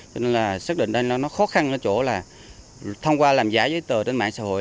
cho nên là xác định đây nó khó khăn ở chỗ là thông qua làm giả giấy tờ trên mạng xã hội